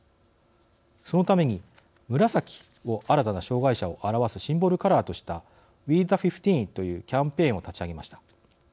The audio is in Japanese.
そのために紫を新たな障害者をあらわすシンボルカラーとした「ＷｅＴｈｅ１５」というキャンペーンを立ち上げました。